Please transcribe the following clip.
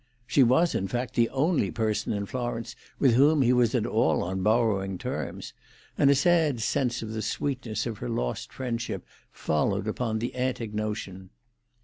She was, in fact, the only person in Florence with whom he was at all on borrowing terms, and a sad sense of the sweetness of her lost friendship followed upon the antic notion.